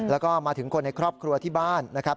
แล้วก็มาถึงคนในครอบครัวที่บ้านนะครับ